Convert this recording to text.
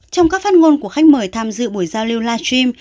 trong các phát ngôn của khách mời tham dự buổi giao lưu live stream